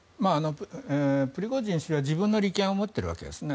プリゴジン氏は自分の利権を持っているわけですね。